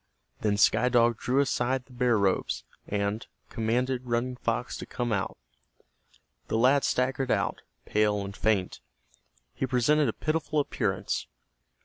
Then Sky Dog drew aside the bear robes, and commanded Running Fox to come out. The lad staggered out, pale and faint. He presented a pitiful appearance.